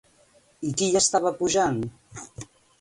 I qui hi estava pujant?